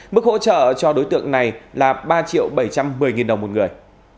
mức hỗ trợ cho đối tượng này là ba triệu bảy trăm một mươi đồng một người